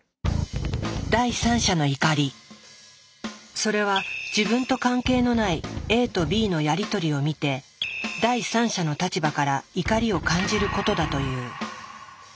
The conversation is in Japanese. それは自分と関係のないＡとＢのやりとりを見て第三者の立場から怒りを感じることだという。